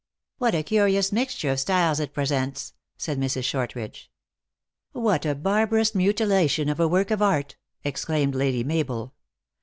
" What a curious mixture of styles it presents," said Mrs. Shortridge. "What a barbarous mutilation of a work of art," exclaimed Lady Mabel.